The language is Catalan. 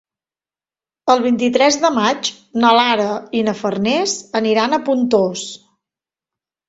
El vint-i-tres de maig na Lara i na Farners aniran a Pontós.